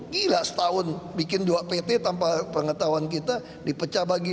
gila setahun bikin dua pt tanpa pengetahuan kita dipecah bagi